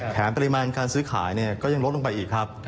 ปริมาณการซื้อขายก็ยังลดลงไปอีกครับ